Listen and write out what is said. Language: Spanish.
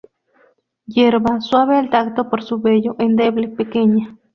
Hierba suave al tacto por su vello, endeble, pequeña.